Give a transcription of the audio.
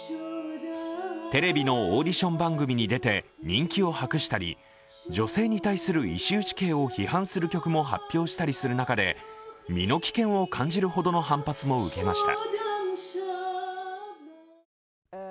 テレビのオーディション番組に出て人気を博したり女性に対する石打ち刑を批判する曲も発表したりする中で身の危険を感じる程の反発も受けました。